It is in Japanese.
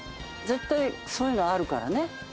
絶対そういうのあるから。